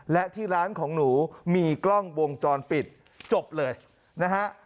และที่ร้านของหนูมีกล้องวงจรปิดจบเลยนะฮะ